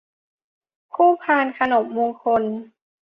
คู่พานขนมมงคล